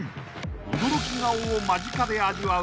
［驚き顔を間近で味わう